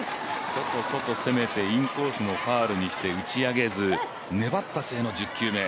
外、外、攻めてインコースのファウルにして打ち上げず、粘った末の１０球目。